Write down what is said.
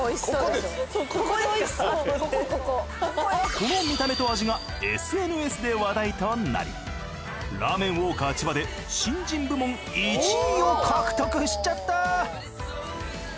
この見た目と味がＳＮＳで話題となり『ラーメンＷａｌｋｅｒ千葉』で新人部門１位を獲得しちゃった！